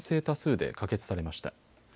多数で可決されました。